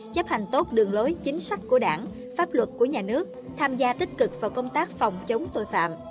chấp hành tốt đường lối chính sách của đảng pháp luật của nhà nước tham gia tích cực vào công tác phòng chống tội phạm